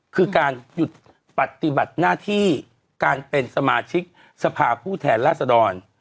คือการหยุดปฏิบัติหน้าที่การเป็นสมาชิกสภาพผู้แทนราษดร